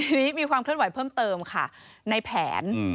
ทีนี้มีความเคลื่อนไหวเพิ่มเติมค่ะในแผน